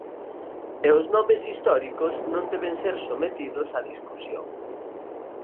E os nomes históricos non deben ser sometidos a discusión.